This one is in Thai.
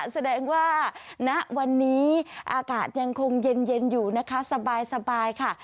แสดงว่าณวันนี้อากาศยังคงเย็นอยู่นะคะสบายค่ะ